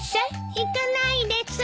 行かないです！